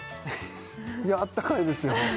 いやあったかいですよ